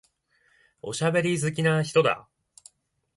おしゃべり好きな人だ。